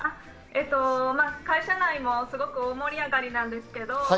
会社内もすごく大盛り上がりなんですけど。